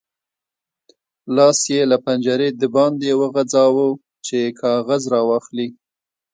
لاس یې له پنجرې د باندې وغځاوو چې کاغذ راواخلي.